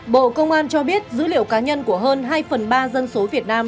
bộ công an cho biết dữ liệu cá nhân của hơn hai phần ba dân số việt nam